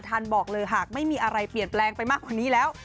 ท่านบอกเลยหากไม่มีอะไรเปลี่ยนแปลงไปมากกว่านี้แล้ว